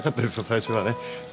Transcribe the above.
最初はね。